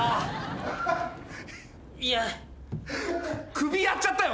首やっちゃったよ